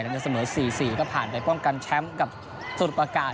ผ่านไปแล้วเสมอ๔๔ก็ผ่านไปป้องกันแชมพ์กับสุรกระกาศ